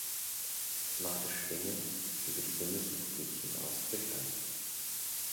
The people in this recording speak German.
Es machte Schwinge über die Bundesrepublik hinaus bekannt.